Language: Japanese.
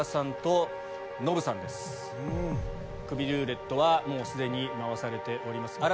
クビルーレットはもうすでに回されております。